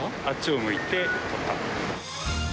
あっちを向いて撮った。